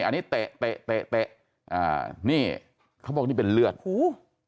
อันนี้เตะเตะเตะอ่านี่เขาบอกนี่เป็นเลือดหู